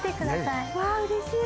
うわうれしい。